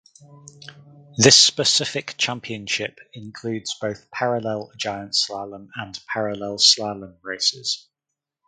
This specific championship includes both parallel giant slalom and parallel slalom races.